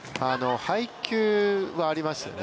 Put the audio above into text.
配球はありますね。